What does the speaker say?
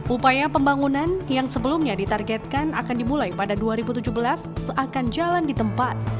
upaya pembangunan yang sebelumnya ditargetkan akan dimulai pada dua ribu tujuh belas seakan jalan di tempat